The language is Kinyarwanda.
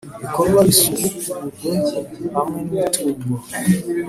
Ibikorwa bisubukurwe hamwe n imitungo